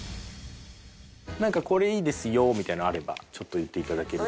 これいいですよみたいなのあればちょっと言って頂けると。